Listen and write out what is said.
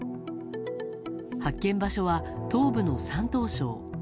発見場所は、東部の山東省。